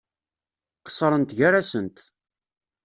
Qeṣṣrent gar-asent.